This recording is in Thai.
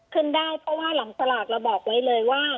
ขึ้นได้เพราะว่าหลังสลากเราบอกไว้เลยว่า